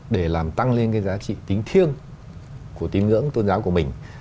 để làm tăng lên cái giá trị tính thiêng của tín ngưỡng tôn giáo của mình